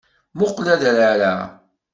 Muqel adrar-a.